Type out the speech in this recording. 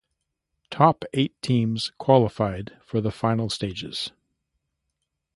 Top eight teams qualified for the final stages.